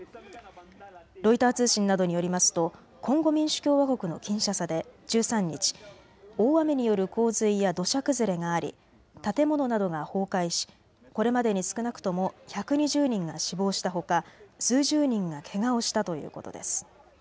ロイター通信などによりますとコンゴ民主共和国のキンシャサで１３日、大雨による洪水や土砂崩れがあり、建物などが崩壊し、これまでに少なくとも１２０人が死亡したほか数十人がけがをしたということです。